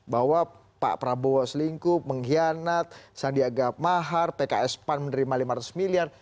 bahwa pak prabowo selingkuh mengkhianat sandiaga mahar pks pan menerima lima ratus miliar